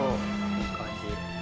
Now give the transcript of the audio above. いい感じ。